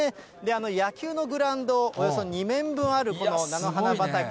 野球のグラウンド、およそ２面分あるこの菜の花畑。